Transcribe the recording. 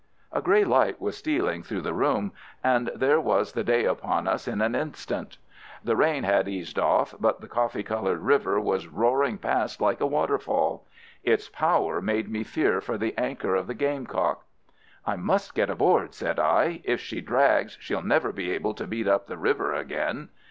A grey light was stealing through the room, and there was the day upon us in an instant. The rain had eased off, but the coffee coloured river was roaring past like a waterfall. Its power made me fear for the anchor of the Gamecock. "I must get aboard," said I. "If she drags she'll never be able to beat up the river again."